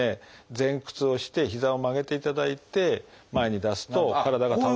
前屈をして膝を曲げていただいて前に出すと体が倒れる。